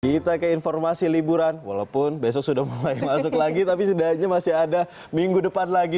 kita ke informasi liburan walaupun besok sudah mulai masuk lagi tapi setidaknya masih ada minggu depan lagi